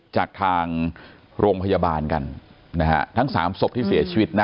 จากทางโรงพยาบาลกันนะฮะทั้งสามศพที่เสียชีวิตนะ